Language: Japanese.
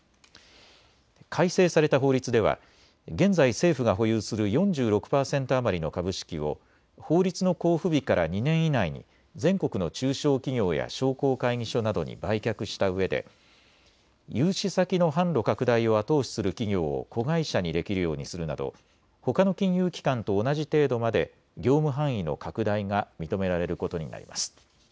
改正された法律では現在政府が保有する４６％余りの株式を法律の公布日から２年以内に全国の中小企業や商工会議所などに売却したうえで融資先の販路拡大を後押しする企業を子会社にできるようにするなどほかの金融機関と同じ程度まで業務範囲の拡大が認められることになります。